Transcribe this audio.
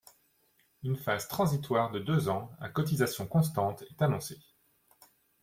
Une phase transitoire de deux ans, à cotisations constantes, est annoncée.